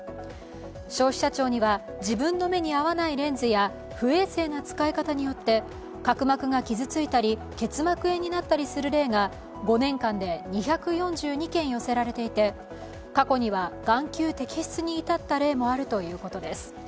消費者庁には自分の目に合わないレンズや不衛生な使い方によって角膜が傷ついたり結膜炎になったりする例が５年間で２４２件寄せられていて過去には眼球摘出に至った例もあるということです。